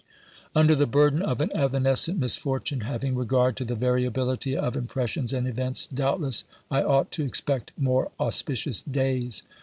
Under the burden of an evanescent misfortune, having regard to the variability of impressions and events, doubt less I ought to expect more auspicious days.